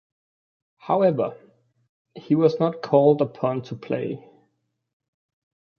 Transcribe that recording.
However, he was not called upon to play.